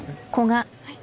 はい。